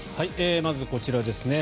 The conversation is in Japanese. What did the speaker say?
まずはこちらですね。